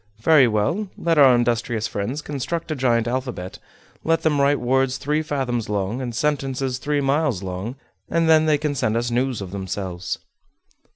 Very well; let our industrious friends construct a giant alphabet; let them write words three fathoms long, and sentences three miles long, and then they can send us news of themselves."